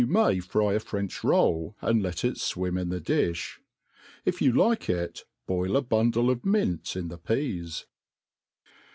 may fry a French roll, and let it fwim in the dilh* If you like jr^ boil a bundle of mint in the pea3.